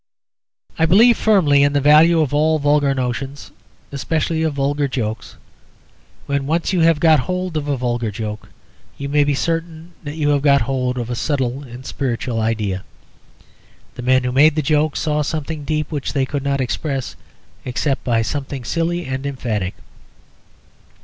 I believe firmly in the value of all vulgar notions, especially of vulgar jokes. When once you have got hold of a vulgar joke, you may be certain that you have got hold of a subtle and spiritual idea. The men who made the joke saw something deep which they could not express except by something silly and emphatic.